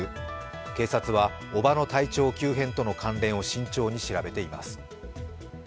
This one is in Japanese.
警察は叔母の体調急変との関連を慎重に調べています。